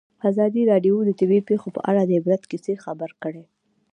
ازادي راډیو د طبیعي پېښې په اړه د عبرت کیسې خبر کړي.